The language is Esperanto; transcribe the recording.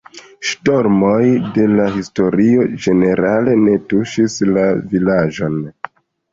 Ŝtormoj de la historio ĝenerale ne tuŝis la vilaĝon.